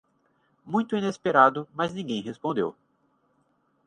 Muito inesperado, mas ninguém respondeu